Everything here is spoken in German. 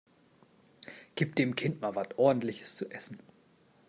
Gib dem Kind mal was Ordentliches zu essen!